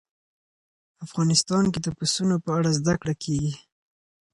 افغانستان کې د پسونو په اړه زده کړه کېږي.